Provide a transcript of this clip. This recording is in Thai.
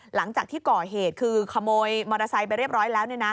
หลังจากที่ก่อเหตุคือขโมยมอเตอร์ไซค์ไปเรียบร้อยแล้ว